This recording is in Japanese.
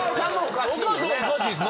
お母さんもおかしいっす。